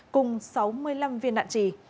cùng sáu mươi năm viên đạn trì